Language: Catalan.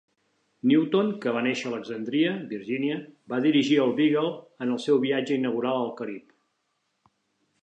Newton, que va néixer a Alexandria, Virgínia, va dirigir el "Beagle" en el seu viatge inaugural al Carib.